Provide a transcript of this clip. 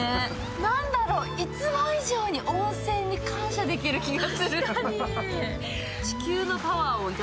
なんだろう、いつも以上に温泉に感謝できる感じ。